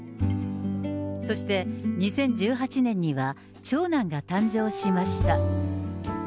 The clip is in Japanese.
そして２０１８年には、長男が誕生しました。